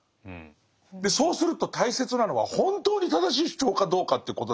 でそうすると大切なのは本当に正しい主張かどうかっていうことなんだけど。